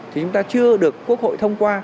thì chúng ta chưa được quốc hội thông qua